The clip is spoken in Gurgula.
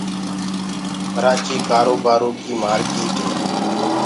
ڪرآچيٚ ڪآروبآرو ڪيٚ مآرڪيٚٽ هي